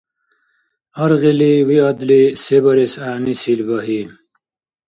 Аргъили виадли, се барес гӀягӀнисил багьи.